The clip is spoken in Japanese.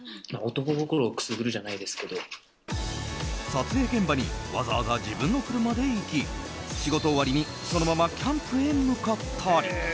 撮影現場にわざわざ自分の車で行き仕事終わりにそのままキャンプへ向かったり。